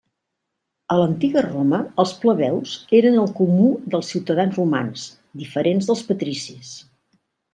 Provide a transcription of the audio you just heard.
A l'antiga Roma, els plebeus eren el comú dels ciutadans romans, diferents dels patricis.